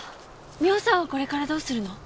美帆さんはこれからどうするの？